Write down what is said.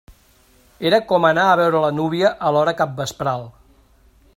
Era com anar a veure la núvia a l'hora capvespral.